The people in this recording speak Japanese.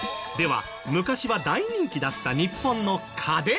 は昔は大人気だった日本の家電。